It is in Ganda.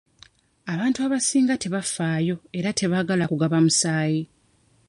Abantu abasinga tebafaayo era tebaagala kugaba musaayi.